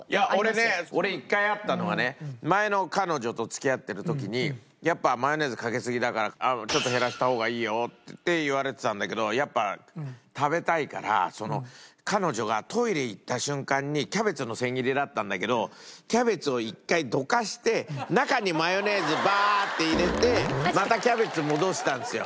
俺ね俺１回あったのはね前の彼女と付き合ってる時にやっぱマヨネーズかけすぎだから「ちょっと減らした方がいいよ」って言われてたんだけどやっぱ食べたいから彼女がトイレ行った瞬間にキャベツの千切りだったんだけどキャベツを１回どかして中にマヨネーズバーッて入れてまたキャベツ戻したんですよ。